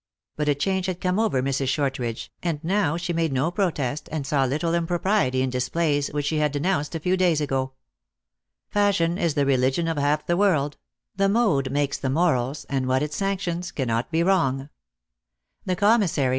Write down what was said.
But a change had come over Mrs. Shortridge, and now she made no protest, and saw little impropriety in displays which she had de nounced a few days ago. Fashion is the religion of half the world ; the mode makes the morals, and what it sanctions cannot be wrong. The commissary, 360 THE ACTKESS IN HIGH LIFE.